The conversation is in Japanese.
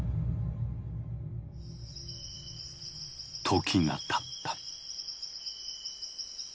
時がたった。